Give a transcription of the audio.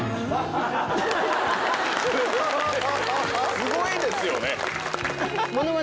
スゴいですよね。